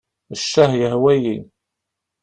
Ccah yehwa-yi.